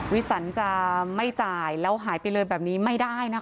วิสันจะไม่จ่ายแล้วหายไปเลยแบบนี้ไม่ได้นะคะ